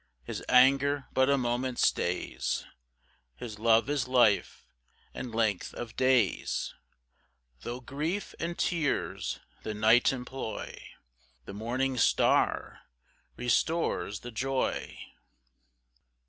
3 His anger but a moment stays His love is life and length of days; Tho' grief and tears the night employ, The morning star restores the joy.